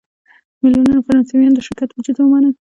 میلیونونو فرانسویانو د شرکت وجود ومانه.